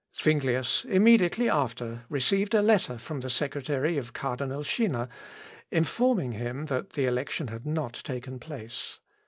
" Zuinglius immediately after received a letter from the secretary of Cardinal Schinner, informing him, that the election had not taken place.